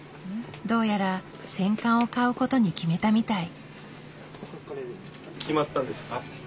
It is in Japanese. どうやら戦艦を買うことに決めたみたい。